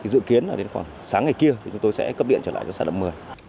dự kiến là đến khoảng sáng ngày kia thì chúng tôi sẽ cấp điện trở lại cho xã đạo một mươi